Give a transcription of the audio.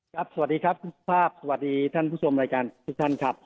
สวัสดีครับคุณภาพสวัสดีท่านผู้ชมรายการทุกท่านครับ